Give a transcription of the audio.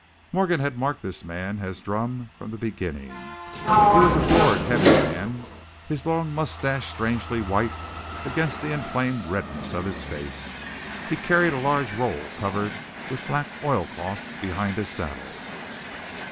Morgan had marked this man as Drumm from the beginning. He was a florid, heavy man, his long mustache strangely white against the inflamed redness of his face. He carried a large roll covered with black oilcloth behind his saddle.